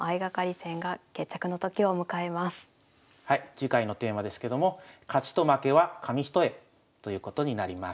次回のテーマですけども「勝ちと負けは紙一重」ということになります。